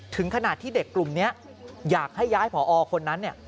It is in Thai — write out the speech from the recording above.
ถึงขนาดที่เด็กกลุ่มนี้อยากให้ย้ายผอคนนั้น